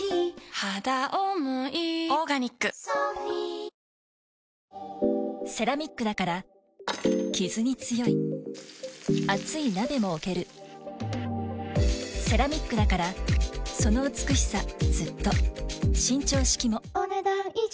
「はだおもいオーガニック」セラミックだからキズに強い熱い鍋も置けるセラミックだからその美しさずっと伸長式もお、ねだん以上。